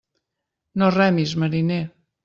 No remis, mariner.